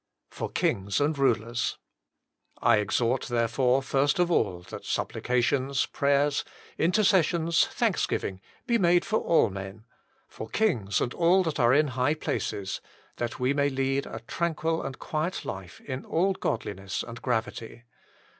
JF0r lUn^S BlUJ Killers "I exhort therefore, first of all, that supplications, prayers, intercessions, thanksgiving, be made for all men; for kings, and all that are in high places ; that we may lead a tranquil and quiet life in all godliness and gravity."!